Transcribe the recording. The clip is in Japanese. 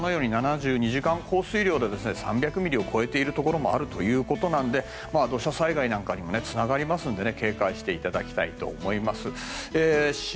７２時間降水量で３００ミリを超えているところもあるということで、土砂災害にもつながりますので警戒していただきたいと思います。